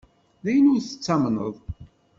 D ayen ur tettamneḍ.